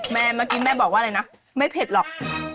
เมื่อกี้แม่บอกว่าอะไรนะไม่เผ็ดหรอก